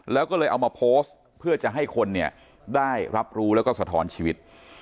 แล้วก็เลยเอามาโพสต์เพื่อจะให้คนเนี่ยได้รับรู้แล้วก็สะท้อนชีวิต